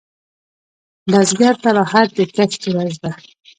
بزګر ته راحت د کښت ورځ ده